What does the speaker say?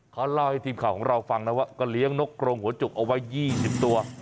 เขาเล่าให้ทีมข่าวของเราฟังนะว่าก็เลี้ยงนกกรงหัวจุกเอาไว้๒๐ตัว